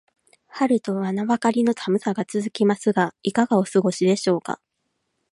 春とは名ばかりの寒さが続きますが、いかがお過ごしでしょうか。